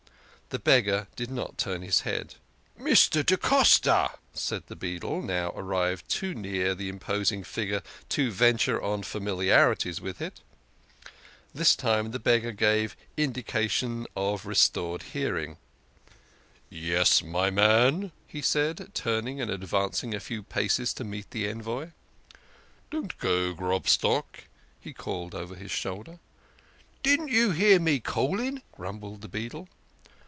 The beggar did not turn his head. THE KING OF SCHNORRERS. Ill " Mr. da Costa," said the beadle, now arrived too near the imposing figure to venture on familiarities with it. This time the beggar gave indications of restored hearing. "Yes, my man," he said, turning and advancing a few paces to meet the envoy. " Don't go, Grob stock," he called over his shoulder. " Didn't you hear me calling?" grum bled the beadle.